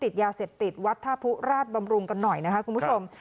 ติดยาเสพติดวัดท่าผู้ราชบำรุงกันหน่อยนะคะคุณผู้ชม